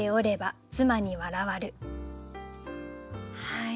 はい。